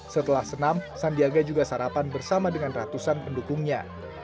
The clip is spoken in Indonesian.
setelah senam sandiaga juga sarapan bersama dengan ratusan pendukungnya